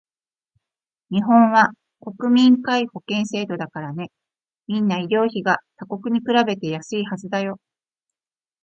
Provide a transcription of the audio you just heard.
日本は国民皆保険制度だからね、みんな医療費が他国に比べて安いはずだよ